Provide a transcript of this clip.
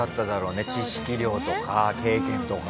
知識量とか経験とか。